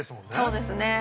そうですねはい。